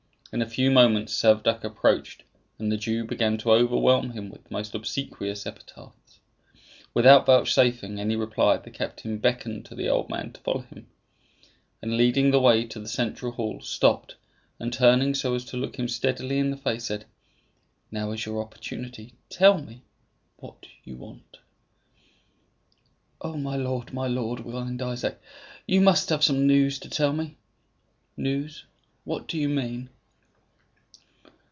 In a few moments Servadac approached, and the Jew began to overwhelm him with the most obsequious epithets. Without vouchsafing any reply, the captain beckoned to the old man to follow him, and leading the way to the central hall, stopped, and turning so as to look him steadily in the face, said, "Now is your opportunity. Tell me what you want." "Oh, my lord, my lord," whined Isaac, "you must have some news to tell me." "News? What do you mean?"